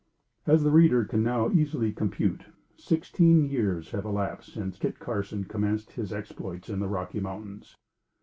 As the reader can now easily compute, sixteen years had elapsed since Kit Carson commenced his exploits in the Rocky Mountains.